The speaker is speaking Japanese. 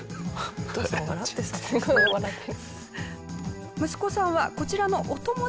お父さん笑ってる。